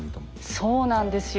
そうなんですよ。